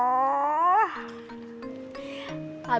habis lebaran ini kan